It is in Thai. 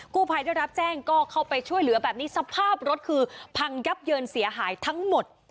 ผู้ภัยได้รับแจ้งก็เข้าไปช่วยเหลือแบบนี้สภาพรถคือพังยับเยินเสียหายทั้งหมด